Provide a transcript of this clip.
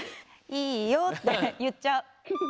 「いいよ」っていっちゃう。